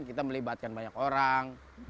kita melibatkan banyak orang